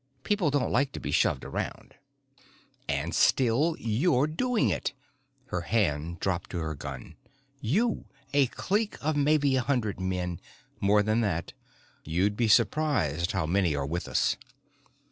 People don't like being shoved around." "And still you're doing it!" One hand dropped to her gun. "You, a clique of maybe a hundred men...." "More than that. You'd be surprised how many are with us."